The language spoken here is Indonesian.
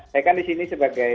saya kan di sini sebagai